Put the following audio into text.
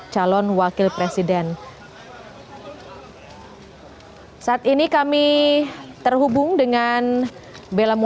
memang di rsprd ketutup broto